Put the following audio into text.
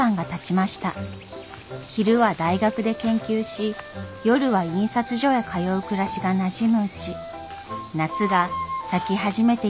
昼は大学で研究し夜は印刷所へ通う暮らしがなじむうち夏が咲き始めていました。